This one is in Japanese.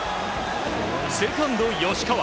セカンド吉川